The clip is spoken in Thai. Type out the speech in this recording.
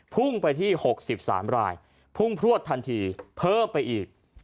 พุ่งไปที่๖๓รายพุ่งพลวดทันทีเพิ่มไปอีก